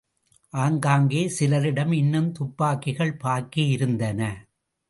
ஆங்காங்கே சிலரிடம் இன்னும் துப்பாக்கிகள் பாக்கி இருந்தன.